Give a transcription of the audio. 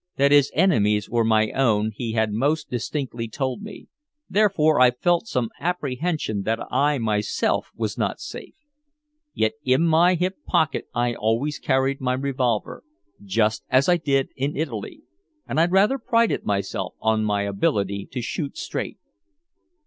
That his enemies were my own he had most distinctly told me, therefore I felt some apprehension that I myself was not safe. Yet in my hip pocket I always carried my revolver just as I did in Italy and I rather prided myself on my ability to shoot straight.